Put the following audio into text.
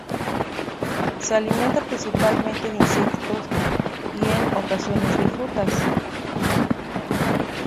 Se alimenta principalmente de insectos y en ocasiones de frutas.